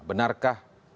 benarkah ada unsur politik